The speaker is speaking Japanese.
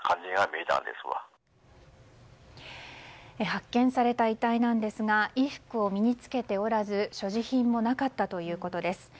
発見された遺体なんですが衣服を身に着けておらず所持品もなかったということです。